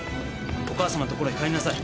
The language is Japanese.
お母さまのところへ帰りなさい。